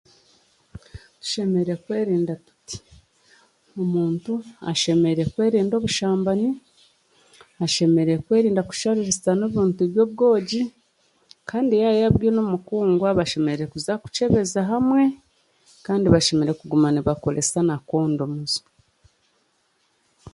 Tushemereire kwerinda tuti. Omuntu ashemereire kwerinda obushambani, ashemereire kwerinda kushariisana ebintu by'obwogi, kandi yaayabwine omukundwa, bashemereire kuza kukyebeza hamwe, kandi bashemereire kuguma nibakoresa na kondomuzi.